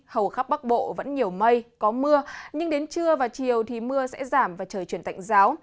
hầu khắp bắc bộ vẫn nhiều mây có mưa nhưng đến trưa và chiều thì mưa sẽ giảm và trời chuyển tạnh giáo